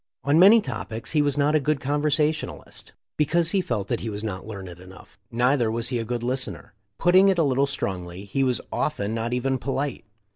On many topics he was not a good conversation alist, because he felt that he was not learned enough. Neither was he a good listener. Putting it a little strongly, he was often not even polite.